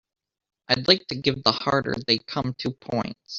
I'd like to give The Harder They Come two points